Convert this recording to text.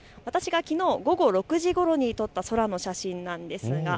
私がきのう午後６時ごろに撮った空の写真です。